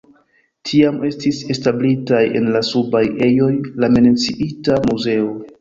Tiam estis establitaj en la subaj ejoj la menciita muzeo.